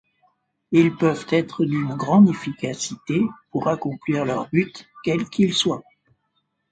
Ils peuvent être d'une grande efficacité pour accomplir leurs buts, quels qu'ils soient.